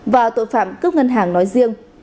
và tội phạm cướp ngân hàng nói riêng